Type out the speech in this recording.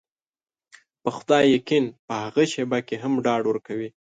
په خدای يقين په هغه شېبه کې هم ډاډ ورکوي.